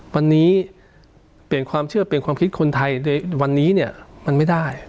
วันนี้เปลี่ยนความเชื่อเปลี่ยนความคิดคนไทยในวันนี้เนี่ยมันไม่ได้